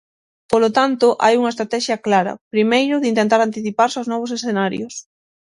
Polo tanto, hai unha estratexia clara, primeiro, de intentar anticiparse aos novos escenarios.